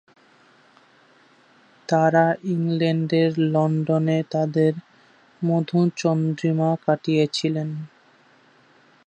তাঁরা ইংল্যান্ডের লন্ডনে তাঁদের মধুচন্দ্রিমাকাটিয়েছিলেন।